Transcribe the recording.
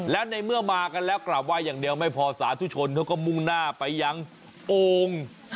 และในเมื่อมากันแล้วกลับไห้อย่างเดียวไม่พอสาธุชนเขาก็มุ่งหน้าไปยังโอ่ง